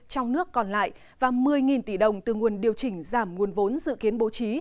trong nước còn lại và một mươi tỷ đồng từ nguồn điều chỉnh giảm nguồn vốn dự kiến bố trí